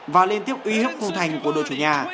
và liên tiếp uy hước không thành của đội chủ nhà